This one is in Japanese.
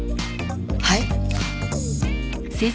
はい？